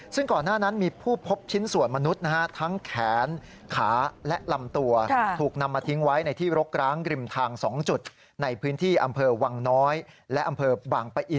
ซึ่งก่อนหน้านั้นมีผู้พบชิ้นส่วนมนุษย์นะครับ